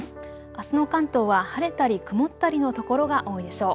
あすの関東は晴れたり曇ったりの所が多いでしょう。